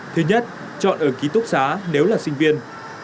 thứ nhất chọn ở ký túc xá nếu là sinh viên